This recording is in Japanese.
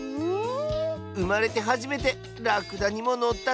うまれてはじめてラクダにものったぜ。